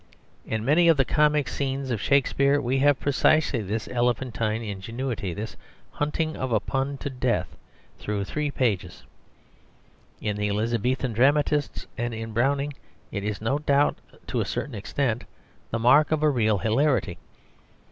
In many of the comic scenes of Shakespeare we have precisely this elephantine ingenuity, this hunting of a pun to death through three pages. In the Elizabethan dramatists and in Browning it is no doubt to a certain extent the mark of a real hilarity.